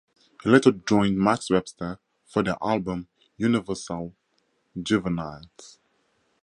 He later joined Max Webster for their album "Universal Juveniles".